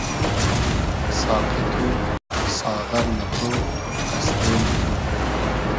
ساقی تو , ساغر مہ تو , قئستې مہ تو